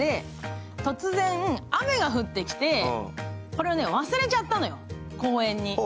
突然、雨が降ってきて、これを忘れちゃったのよ、公園に。